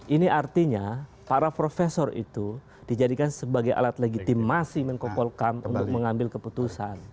ini artinya para profesor itu dijadikan sebagai alat legitimasi menko polkam untuk mengambil keputusan